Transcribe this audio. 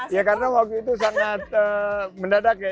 ya karena waktu itu sangat mendadak ya